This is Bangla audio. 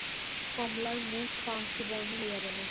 কমলার মুখ পাংশুবর্ণ হইয়া গেল।